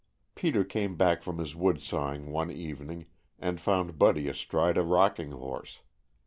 Peter came back from his wood sawing one evening and found Buddy astride a rocking horse.